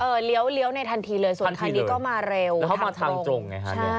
เออเลี้ยวเลี้ยวในทันทีเลยทันทีเลยส่วนทางนี้ก็มาเร็วแล้วเข้ามาทางตรงไงฮะ